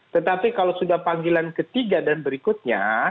tetapi kalau sudah panggilan ketiga dan berikutnya